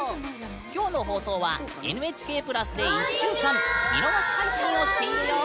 今日の放送はＮＨＫプラスで１週間見逃し配信をしているよ。